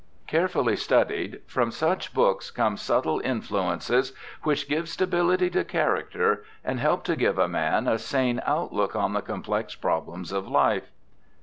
Carefully studied, from such books come subtle influences which give stability to character and help to give a man a sane outlook on the complex problems of life.